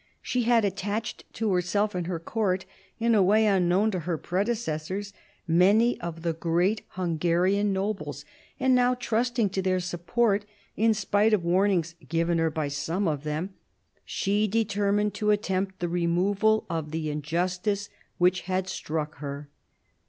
She had attached to herself and her court, in a way un known to her predecessors, many of the great Hungarian nobles; and now, trusting to their support, in spite of warnings given her by some of them, she determined to attempt the removal of the injustice which had struck her.